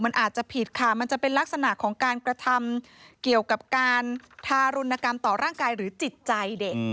มันอาจจะผิดค่ะมันจะเป็นลักษณะของการกระทำเกี่ยวกับการทารุณกรรมต่อร่างกายหรือจิตใจเด็ก